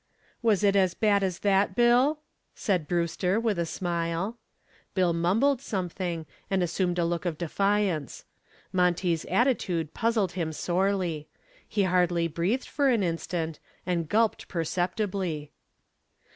"Was it as bad as that, Bill?" asked Brewster, with a smile. Bill mumbled something and assumed a look of defiance. Monty's attitude puzzled him sorely. He hardly breathed for an instant, and gulped perceptibly.